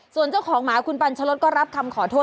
ส่วนเจ้าของหมาคุณปัญชรดก็รับคำขอโทษ